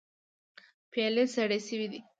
پيالې سړې شوې.